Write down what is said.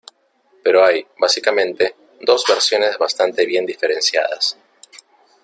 Pero hay, básicamente, dos versiones bastante bien diferenciadas.